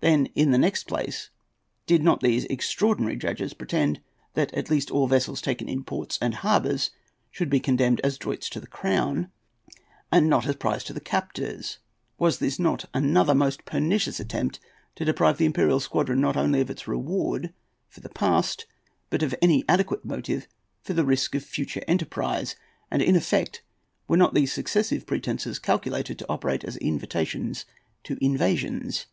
Then, in the next place, did not these most extraordinary judges pretend that at least all vessels taken in ports and harbours should be condemned as droits to the crown, and not as prize to the captors? Was not this another most pernicious attempt to deprive the imperial squadron not only of its reward for the past but of any adequate motive for the risk of future enterprise? And in effect, were not these successive pretences calculated to operate as invitations to invasions?